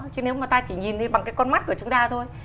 chứ nếu mà ta chỉ nhìn đi bằng cái con mắt của chúng ta thôi